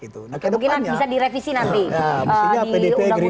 mungkin bisa direvisi nanti